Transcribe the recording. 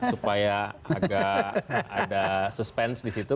supaya agak ada suspense di situ